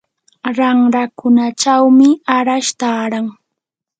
ranrakunachawmi arash taaran.